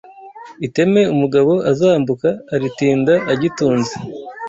Iteme umugabo azambuka aritinda agitunze